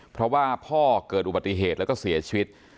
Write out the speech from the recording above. เพราะว่าพ่อเกิดอุบัติเหตุแล้วก็เสียชีวิต